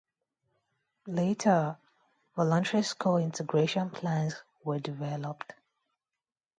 Later, voluntary school integration plans were developed.